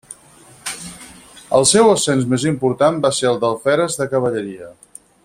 El seu ascens més important va ser el d'Alferes de Cavalleria.